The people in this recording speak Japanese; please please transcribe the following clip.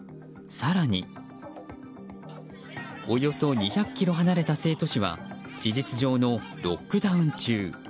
更におよそ２００ｋｍ離れた成都市は事実上のロックダウン中。